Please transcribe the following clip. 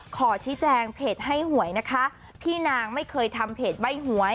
ขอชี้แจงเพจให้หวยนะคะพี่นางไม่เคยทำเพจใบ้หวย